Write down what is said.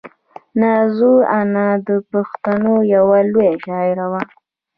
نازو انا د پښتنو یوه لویه شاعره وه.